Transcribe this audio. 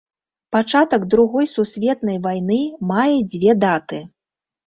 Пачатак другой сусветнай вайны мае дзве даты.